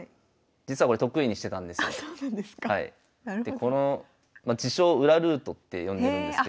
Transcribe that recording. でこの自称「裏ルート」って呼んでるんですけど。